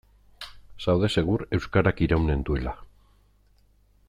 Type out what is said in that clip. Zaude segur euskarak iraunen duela.